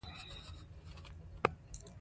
زه هڅه کوم، چي هر څوک وخندوم.